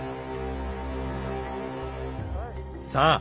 さあ